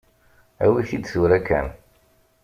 Awi-t-id tura kan.